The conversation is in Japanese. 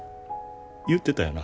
言ってたよな。